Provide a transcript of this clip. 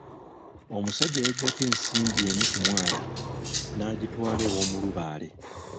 Omusajja yaggyako ensimbi emu ku mwana, n'agitwala ew’omulubaale.